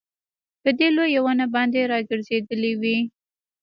په دې لويه ونه باندي راګرځېدلې وې